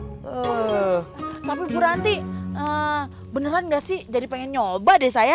hmm tapi bu ranti beneran gak sih jadi pengen nyoba deh saya